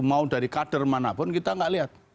mau dari kader manapun kita gak lihat